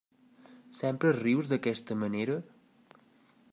Sempre rius d'aquesta manera?